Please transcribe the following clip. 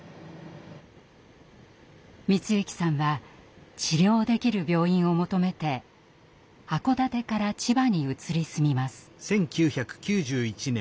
光行さんは治療できる病院を求めて函館から千葉に移り住みます。